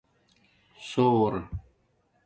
ثݹر